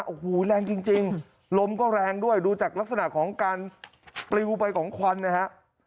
โอ้โหแรงจริงลมก็แรงด้วยดูจากลักษณะของการปลิวไปของควันนะฮะ